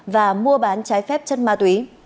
và mua bán trái phép chất ma túy